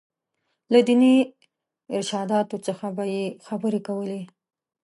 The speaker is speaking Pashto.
له ديني ارشاداتو څخه به یې خبرې کولې.